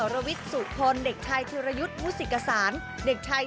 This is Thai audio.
โรวิสสุพลนะสายไทยยุทมูศิสาห์เด็กชาย